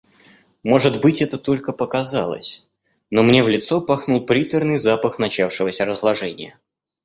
Может быть, это только показалось, но мне в лицо пахнул приторный запах начавшегося разложения.